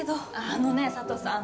あのね佐都さん